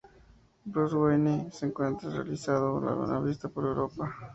Bruce Wayne se encuentra realizando una visita por Europa.